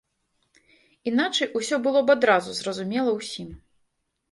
Іначай усё было б адразу зразумела ўсім.